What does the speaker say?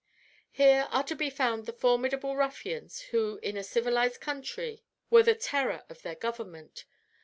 Here are to be found the formidable ruffians who in a civilized country were the terror of their government.